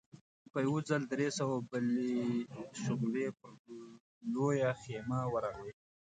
په يوه ځل درې سوه بلې غشې پر لويه خيمه ورغلې.